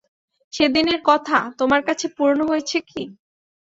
সেদিনের কথা তোমার কাছে পুরোনো হয়েছে কি?